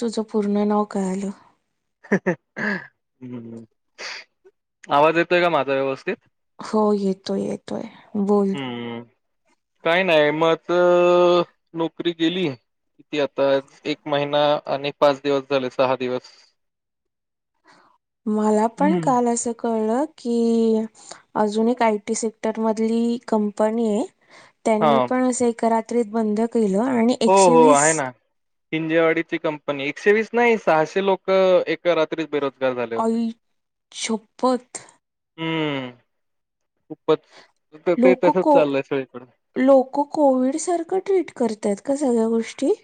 तुझं पूर्ण नाव काय आलं? हम्म आवाज येतोय का माझा व्यवस्थित? हो, येतोय येतोय बोल काय नाय म चं नोकरी केली. किती आता एक महिना आणि पाच दिवस झाले सहा दिवस. मला पण हम्म. काल असं कळलं की, अजून एक आय टी सेक्टरमधली कंपनी ये. हा. त्यांनी पण असं एका रात्रीत बंद केलं आणि हो, एकशे हो वीस आहे ना, हिंजेवाडीची कंपनी ये एकशे वीस नाही सहाशे लोकं एक एका रात्रीत बेरोजगार झाले होते. आई शपथ हूं खूपच त ते तसच चाललंय सगळीकड लोकं कोविड सारखं ट्रीट करतायेत का सगळ्या गोष्टी?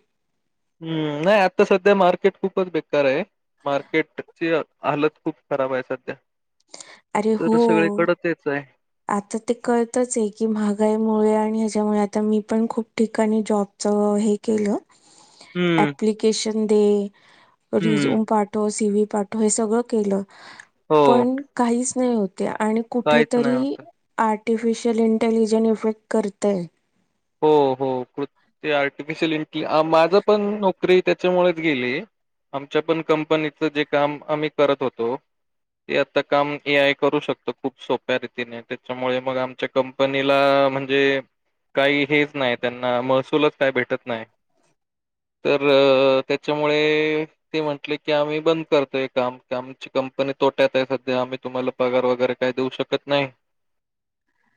हं, नाय आता सध्या मार्केट खूपच बेकार ये. मार्केटची हालत खूप खराब आहे सध्या. अरे तर सगळे हो कडकच आहे. आता ते कळतच ये की महागाईमुळे आणि ह्याच्यामुळे आता मी पण खूप ठिकाणी जॉबच हे केलं हम्म. अँप्लिकेशन दे हम्म, रिझ्युम पाठव सिवी पाठव हे सगळं केलं हो पण काहीच नाही होत ये आणि काहीच नाही कुठेतरी. होत. आर्टिफिशियल इंटेलिजन इफेक्ट करतंय. हो हो क् आर्टिफिशिल इंटे माझ पण नो करी त्याच्यामुळेच गेली, आमच्या पण कंपनीच जे काम आम्ही करत होतो. ते आता काम ए आय करू शकत खूप सोप्या रीतीने त्याच्यामुळे मग आमच्या कंपनीला म्हणजे काही हेच नाय त्यांना महसूलच काय भेटत नाय. तर त्याच्यामुळे ते म्हंटले की आम्ही बंद करतोय काम ते आमची कंपनी तोट्यात आहे सध्या आम्ही तुम्हाला पगार वगैरे काय देऊ शकत नाय.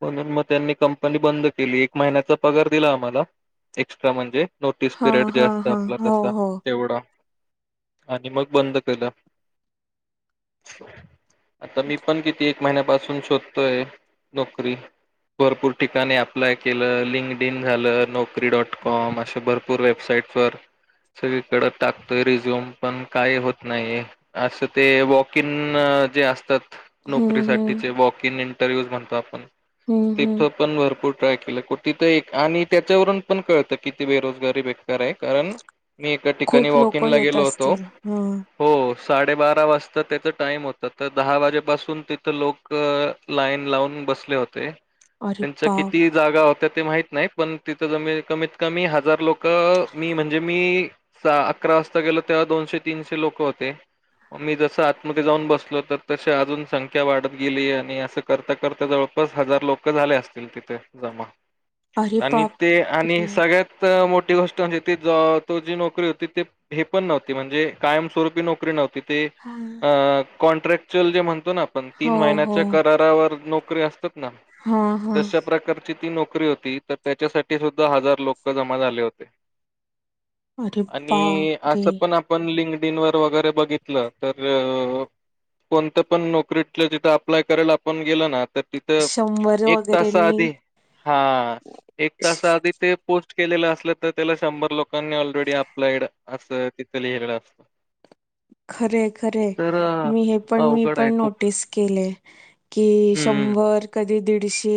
म्हणून मग त्यांनी कंपनी बंद केली. महिन्याचा पगार दिला आम्हाला एक्स्ट्रा म्हणजे नोटीस हा पिरियड जे हा असतं हा आपला हो तसं हो. तेवढा आणि मग बंद केलं. आता मी पण किती एक महिन्यापा सून पण शोधतोय नोकरी भरपूर ठिकाणी अँप्लाय केलं लिंक डिन झालं. नोकरी डॉट कॉम अशा भरपूर वेबसाइट वर. सगळीकडं टाकतोय रिझ्यूम पण काही होत नाही असं ते वॉक इन. जे असतात. हम्म नोकरी साठीच हम्म आहे. वॉक इन इंटरव्ह्यू म्हणतो आप हम्म हम्म. तिथं पण भरपूर. ट्राय केलं तर आणि त्याच्यावरून पण कळतं किती बेरोजगारी बे. बेकार आहे कारण मी एका ठिकाणी खूप लोक वॉकिंगला येत गेलो होतो असतील. हं. हो. साडेबारा वाजता त्याचा टाइम होता तर दहा वाजेपासून तिथं लोक लाईन लावून बसले होते. अरे त्यांच्या बाप किती जागा होत्या ते माहित नाही पण तिथ जमी कमीत कमी हजार लोक मी म्हणजे मी अकरा वाजता गेलो तेव्हा दोनशे तीनशे लोक होते. मग मी जसं आतमध्येते जाऊन बसलो तर तसे अजून संख्या वाढत गेली आणि असं करता करता जवळ. च हजार लोक झाले असतील. जमा अरे आणि बाप ते आणि रे! सगळ्यात मोठ. मोठी गोष्ट म्हणजे त तो जी नोकरी होती ते हे पण नव्हती म्हणजे कायमस्वरूपी नोकरी नव्हती. ते हां. कॉन्ट्रॅक्चुल जे म्हणतो ना आपण तीन हो हो. महिन्याच्या करारावर असतात ना हां हां. तशा प्रकारे ती नोकरी होती तर त्याच्यासाठी सुद्धा हजार लोक जमा झाले होते. अरे आणि बाप रे! असं पण आपण लिंग व वगैरे बघितलं तर कोणत्या पण नोकरीतल्या तिथं अप्लाय करायला आपण गेलो ना तर तिथ एक तासा वगैरेंनी आधी हा एक तासा आधी ते प के असलं तर त्याला शंभर लोकांनी ऑलरेडी अप्लाइड अस तिथ लिहिलं असत. खरे खरे मी हे पण मी अवघड आहे पण खूप नोटीस केले की शं हम्म शंर कधी दीडशे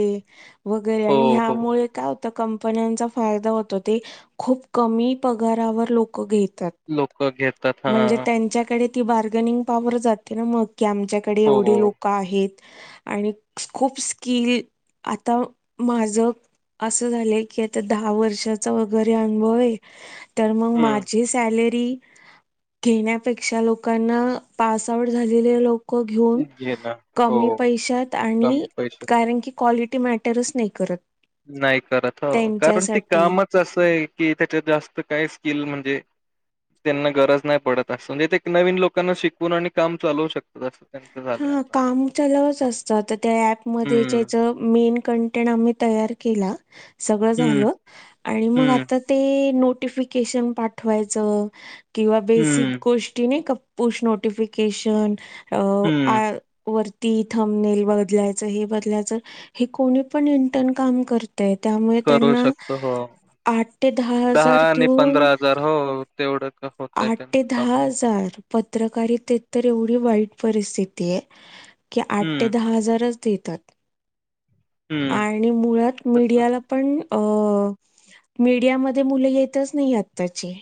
वगैरे हो आणि हो ह्यामुळे काय? कंपन्यांचा फायदा होतो ते खूप कमी पगारावर लोक घेत. लोक घेत. म्हणजे त्यांच्याकडे ती बार्गनिंग पवर जाते ना मग की आमच्याकडे हो एवढे लोक आहेत. आणि खूप स्किल आता माझं. असं झालंय की आता दहा वर्षाचा वगैरे अनुभव आहे. तर मग हम्म माझी सॅलरी घेण्यापेक्षा लोकांना पास आउट झालेले लोक. घेऊ घे ना हो कमी पैशात आणि कमी पैसे कारण क क्वालिटी मॅटरच नाही करत. नाही करत हो कारण ते त्यांच्यासाठी. कामच असं आहे कि त्याच्यात जास्त काय स्किल म्हणजे त्यांना गरज नाही पडत असं म्हणजे ते नवीन लोकांना शिकवून आणि काम चालवू शकतात अस. हा कामलवच असत त्या पमध्ये हम्म, जच मेन कंटेंट आम तयार केलं सगळं हम्म, झालं आणि मग हम्म, आता ते नोटिफिकेशन पाठवायचं किंवा बेसिक हम्म, गोष्टी नाही का? पुोस् नोटिफिकेशन अ आ हम्म. वरती थमनेल बदलायच हे बदलायच हे कोणी पण इंटर्न काम कर. त्यामुळे करू त्यांना शकतो हो. आठ ते दहा हजार आणि देऊन हो तेवढं क होतंय आठ ते त्यांचं काम. दहा हजार पत्रकारितेत तर एवढी वाईट परिस्थिती आहे की आठ हम्म, ते दहा हजारच देतात. हम्म. आणि मुळात तसं मीडियाला पण अ मीडियामध्ये मुलं येतच नाही आताचे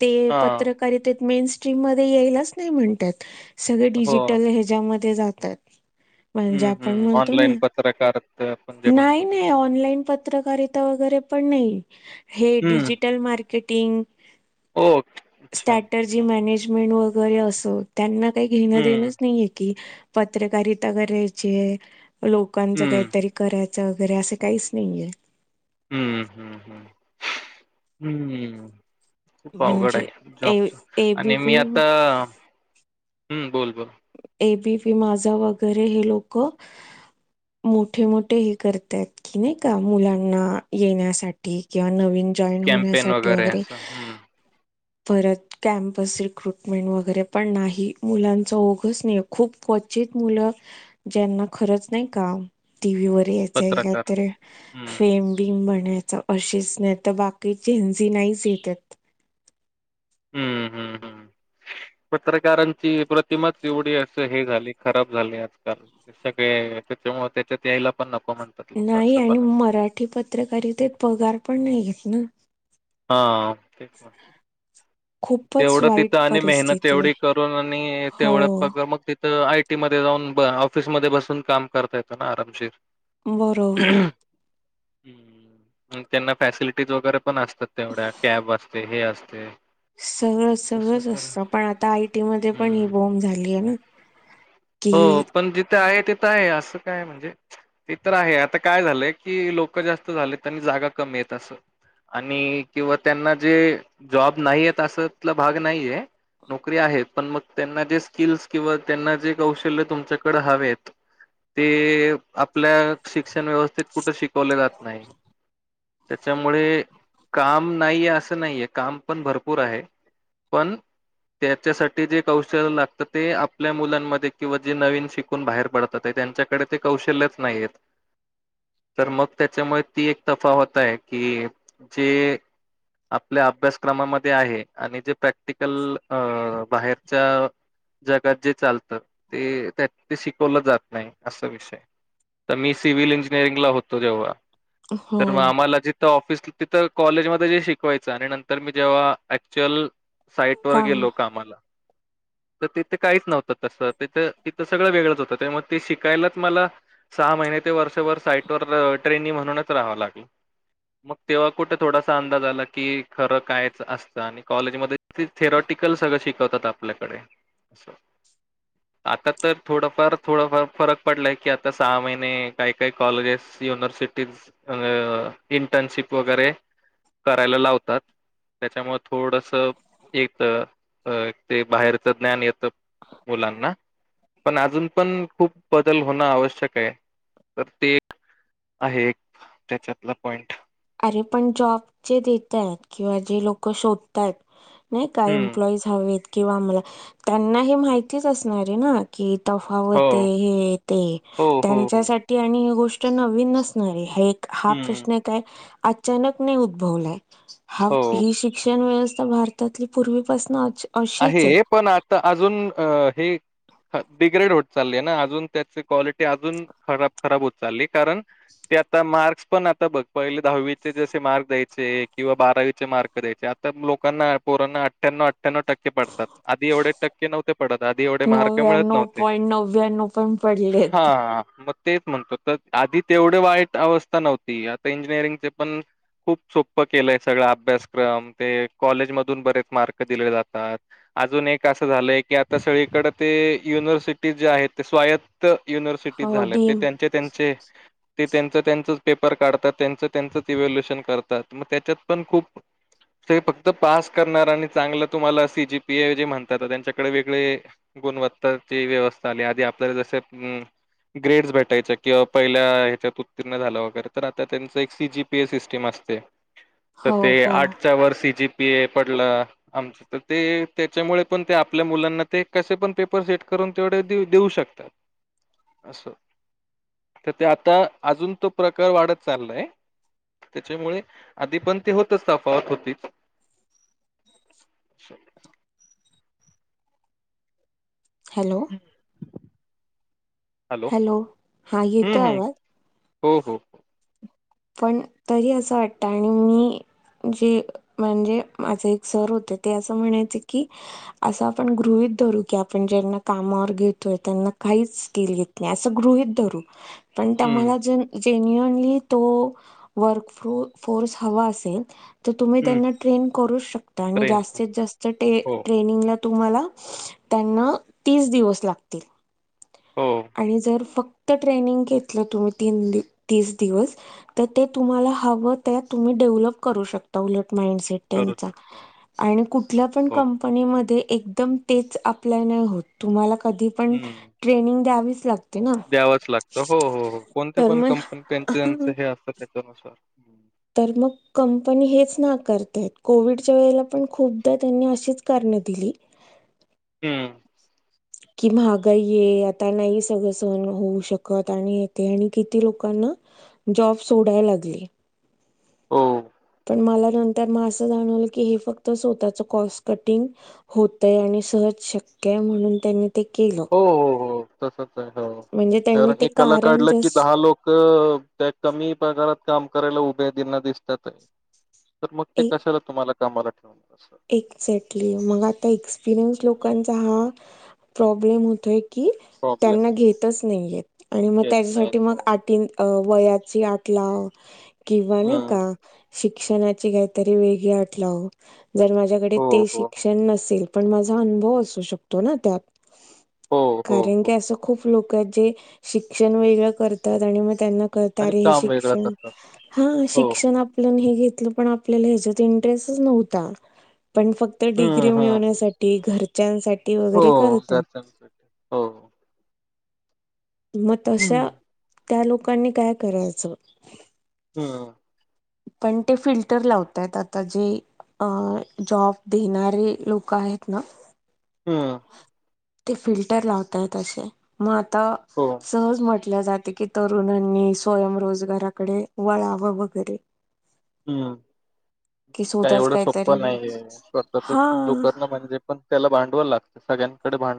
ते हां, पत्रकारितेत मेन स्ट्रीम मध्ये यायलाच नाही म्हणतात. सगळे हो. डिजिटल ह्याच्यामध्ये जातात. म्हणजे हम्म आपण हम्म म्हणतो ना ऑनलाईन पत्रकारत पण नाही नाही ऑनलाईन पत्रकारिता वगैरे पण नाही हे हम्म. Digital marketing okay. अच्छा. स्टॅटजी हम्म, मॅनेजमेंट वगैरे अस त्यांना काही घेणं हम्म, देणंच नाहीये की पत्रकारिता करायचे लोकांचं हम्म, काहीतरी करायचं वगैरे असं काहीच नाहीये हम्म हम्म हम्म हम्म खूप अवघड म्हणजे आहे ए जॉबच आणि मी एबीपी आता हम्म बोल बोल एबी पी माझा वगैरे हे लोक मोठे मोठे हे करतायत कि नाही का मुलांना येण्यासाठी किंवा नवीन जॉईन कॅम्पेन होण्यासाठी वगैरे असं. हं, परत कॅमपस रिक्रुटमेंट वगैरे पण नाही मुलांच नाही खूप क्वचित मुलं ज्यांना खरंच नाही का टी व्ही वर यायचं ए का पत्रकार. तर हं, फेम बी बण अच नाही तर बाकी झेंझी नाहीच येतात हम्म हम्म हम्म पत्रकारांची प्रतिमाच एवढी असे हे झाली खराब झाली आजकाल सगळे त्याच्यामु त्याच्यात यायला पण न नाही आणि मराठी पत्रकारितेत पगार पण नाही घेत ना हा खूपच तेवढं वाईट तिथं आणि मेहनत परिस्थिती आहे. एवढी करून आणि हो तेवढं प मग तिथं ऐक ी म जाऊन ऑफिसमध्येध्ये बसून काम करता येतो ना आरामशीर बरोबर ह् त्यांना फॅसिलिटीज वगैरे पण असतात तेवढ्या कॅब असते हे असते सगळंच तसं सगळंच तर असतं पण आता आयटी मध्ये पण हं. ही बॉम्ब झाली आहे ना हो कि पण जिथे आहे तिथं आहे असं काय म्हणजे ते तर आहे आता काय झालंय कि लोक जास्त झाले आणि जागा कमी आहेत असं आणि किंवा त्यांना जे जॉब नाहीय ततला भाग नाहीये नोकरी आहेत पण मग त्यांना जे स्किल्स किंवा त्यांना जे कौशल्य तुमच्याकडे हव आहेत ते आपल्या शिक्षण व्यवस्थेत कुठे शिकवले जात नाही त्याच्यामुळे काम नाहीे असं नाहीये काम पण भरपूर आहे पण त्याच्यासाठी जे कौशल लागत ते आपल्या मुलांमध्ये किंवा जे नवीन शिकून बाहेर पडतात आहे त्यांच्याकडे ते कौशल्यच नाही आहेत तर मग त्याच्यामुळे ती एक तफा होत आहे की जे आपल्या अभ्यासक्रमामध्ये आहे आणि जे प्रॅक्टिकल अ बाहेरच्या जगात जे चालतं ते त्यात ते शिकवलं जात नाही असा विषय तर मी सिव्हल इंजिनिअरिंगला होतो जेव्हा तरग हो आम्हाला जिथं ऑफिस तिथं कॉलेजमध्येध्ये जे शिकवायचं आणि नंतर मी जेव्हा ऍक्च्युअल साईट वर काम गेलो कामाला तर तिथे काहीच नव्हतं तसं तिथ तिथं सगळं वेगळंच होतं ते मग ते शिकायलाच मला सहा महिने ते वर्षभर साईटवर ट्रेनी म्हणूनच राहावं लागलं मग तेव्हा कुठे थोडासा अंदाज आला की खरं कायच असतं आणि कॉलेजमध्ये ते थेरॉटिकल सगळं शिकवतात आपल्याकडे असं आता तर थोडंफार थोडंफार फरक पडलाय की आता सहा महिने काही काही कॉलेजेस युनवर् इंटर्नशिप वगैरे करायला लावतात त्याच्यामुळे थोडस एक अ ते बाहेरच ज्ञान येत मुलांना पण अजून पण खूप बदल होणं आवश्यक आहे तर ते आहे एक त्याच्यातला पॉइंट अरे पण जॉब जे देतय किंवा जे लोक शोधतय नाही काय हम्म एम्प्लॉईज हवेत किंवा आमला त्यांना हे माहितीच असणार आहे ना की हो तफावत हे ते हो हो हो त्यांच्यासाठी आणि ही गोष्ट नवीन नसणारये हे हा हम्म प्रश्न काय अचालक नई उद्वलाय हा हो ही शिक्षण व्य ता भारतातली पूर्वीपासून आहे पण आता अजून अ हे डिग्रेड होत चालली ना अजून त्याची क्वालिटी अजून खराब खराब होत चालली कारण ते आता मार्क्स पण आता बघ पहिले दहावीचे जसे मार्क द्यायचे किंवा बारावीचे मार्क द्यायचे आत लोकांना पोरांना अठ्ठयानऊ अठ्ठयानऊ टक के पडतात आधी एवढे टक्के नव्हते पडत आधी एवढे मार्क मिळत नव्याण्णव नव्हते. पॉईंट नव्याण्णव पण पडलेत हा म तेच म्हणतो तर आधी तेवढे वाईट अवस्था नव्हती आता इंजिनिअरिंगचे पण खूप सोप्पं केलंय सगळा अभ्यासक्रम ते कॉलेजमधून बरेच मार्क दिले जातात अजून एक असं झालंय की आता सगळीकडे ते युनिव्हर्सिटी जे आहेत ते स्वायत्त युनिव्हर्सिटीत हो झाल्या ते डीम त्यांचे त्यांचे ते त्यांचं त्यांचच पेपर काढतात त्यांचं त्यांचंच इव्होल्युशन करतात मग त्याच्यात पण खूप ते फक्त पास करणार आणि चांगलं तुम्हाला सीजीपी ए जे म्हणतात त्यांच्याकडे वेगळे गुणवत्ताची व्यवस्था आली आधी आपल्याला ते ग्रेड्स भेटायच्या किंवा पहिल्या ह्याच्यात उत्तीर्ण झालं वगैरे तर आता त्यांच एक सीजीपीए सिस्टम अस तर हो ते हो आठच्या वर्षी जी पी ए पडलं आम तर ते त्याच्यामुळे पण ते आपल्या मुलांना ते कसे पण पेपर सेट करून तेवढे देऊ शकतात असं तर ते आता अजून तो प्रकार वाढत चाललाय त्याच्यामुळे आधी पण ते होतच तफावत होतीच श हॅलो हॅलो हा हं, येतो हं. आवाज हो हो पण तरी असं वाटतं आणि मी जे म्हणजे माझे एक सर होते ते असं म्हणायचे की असं आपण गृहित धरू की आपण ज्यांना कामावर घेतोय त्यांना काहीच स्किल घेत नाही अस गृहित धरू पण हं, तम्हाला ज जेन्युअनली तो वर्क फोर्स हवा असेल तर तुम्ही हं. त्यांना ट्रेन करूच शकता आणि ट्रेन. जास्तीत जास्त हो, ट्रेनिंगला तुमला त्यांना तीस दिवस लागतील हो. नंग घ तुम त ती दिवस तुम्हाला हव तम डेव्हलप करू शकता उलट मांडटसेट करू त्यांचा शकता. आणि कुठल्या पण हो. कंपनीमध्ये एकदम तेच अप्लाय नाही होत तुम्हाला कधी पण ट्रेनिंग द्यावीच लागते ना द्यावच लागतं हो हो हो कोणते तर पण कंपनी त्यांच त्यांच मग हे असतं त्याच्यानुसार तर मग कंपनी हेच ना करता कोविडच्या वेळेला पण खूपदा त्यांनी अशीच न दिली हम्म कि महागा ये आता नाही सगळ सण होऊ शकत आणि येते आणि किती लोकांना जॉब सोडाय लागली हो मला नंतर मग असं जाणवलं की हे फक्त स्वतःच कॉस् कटिंग होतय आणि स शक्य म्हणून त्यांनी ते केलं हो हो हो तसच आहे हो म्हणजे त्यांनी कारण ते एक कला कारण काढला की जस्ट दहा लोक त्या कमी प्रकारात काम करायला उभे आहेत ना दिसतात आहे तर मग ते एक कशाला तुम्हाला कामाला ठेवण एक्झॅक्टली मग आता एक्सपिरियन्स हं. लोकांचा हा प्रॉब्लेम होतो एक की प्रॉब्लेम त्यांना होतो. घेतच नाहीयेत आणि मग घेत नाहीत. त्याच्यासाठी मग हो. आ वयाची आटलाव किंवा नाही हं. का शिक शिक्षणाची काहीतरी वेग आटला जर माझ्याकडे हो, ते हो, हो. शिक्षण नसेल पण माझा अनुभव असू शकतो ना त्यात हो, हो, कारण की हो. अस खूप लोक जे शिक्षण वेगळ करतात आणि त्यांना कळत आणि अरे हे काम वेगळं शिक्षण करतात. हा हो शिक्षण आपल हे त्या पण आपल्याला ह्याच्यात इंटरेस्टच नव्हता पण फक्त हम्म डिग्री हम्म मिळवण्यासाठी घरच्यांसाठी हो वगैरे करतात घरच्यासाठी हो मग हम्म तशा त्या लोकांनी काय करायचं. हम्म. पण ते फिल्टर लावताय आता जे. अ जॉब देणारे लोक आहेत ना हम्म. ते फिल्टर लावतय असे मग आता हो सहज म्ह टल जात की तरुणांनी स्वयंरोजगाराकडे वळाव वगैरे हम्म. कि का स्वतःच एवढं सोपं काहीतरी नाहीये स्वतःच हा लोकर ना म्हणजे पण त्याला भांड व लागत सगळ्यांकडे भांड